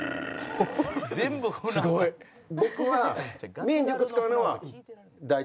僕は。